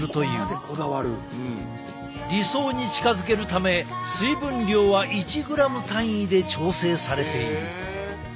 理想に近づけるため水分量は１ｇ単位で調整されている。